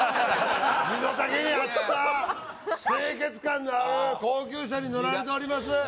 身の丈に合った清潔感のある高級車に乗られております